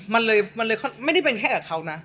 มันเลยไม่ได้เป็นแค่กับเขานะ